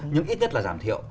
nhưng ít nhất là giảm thiểu